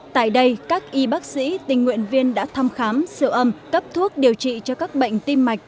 tại đây các y bác sĩ tình nguyện viên đã thăm khám siêu âm cấp thuốc điều trị cho các bệnh tim mạch